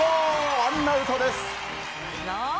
ワンアウトです。